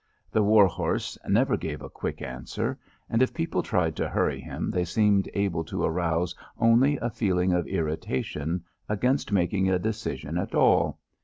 The war horse never gave a quick answer, and if people tried to hurry him they seemed able to arouse only a feeling of irritation against making a decision at all.